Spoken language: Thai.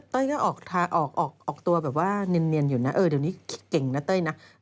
ก็ออกทางออกตัวแบบว่าเนียนอยู่นะเออเดี๋ยวนี้เก่งนะเต้ยนะ